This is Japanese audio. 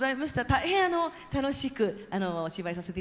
大変楽しく芝居させていただきました。